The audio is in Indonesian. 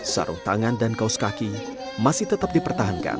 sarung tangan dan kaos kaki masih tetap dipertahankan